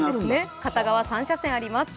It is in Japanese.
片側３車線あります。